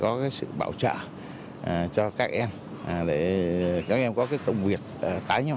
cảm ơn quỹ đã kính cập nhật b merit cho yeaapn